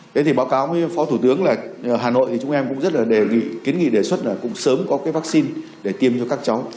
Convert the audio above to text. thế thì báo cáo với phó thủ tướng là hà nội thì chúng em cũng rất là kiến nghị đề xuất là cũng sớm có cái vaccine để tiêm cho các cháu